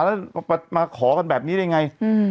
แล้วมาขอกันแบบนี้ได้ไง